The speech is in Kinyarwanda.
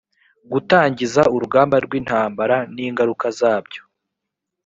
gutangiza urugamba rw intambara n ingaruka zabyo